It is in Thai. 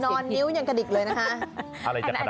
นอนนิ้วอย่างกะดิกเลยนะคะ